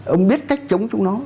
ông biết cách chống chúng nó